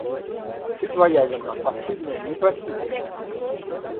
И своя вина, постыдная, непростительная!